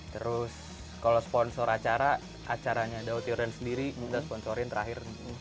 terus kalau sponsor acara acaranya daut chino yordan sendiri kita sponsorin terakhir